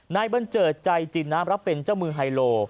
บันเจิดใจจินน้ำรับเป็นเจ้ามือไฮโล